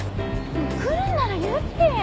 来るなら言ってや！